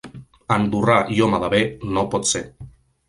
Andorrà i home de bé no pot ser.